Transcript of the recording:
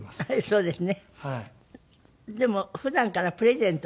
そうですね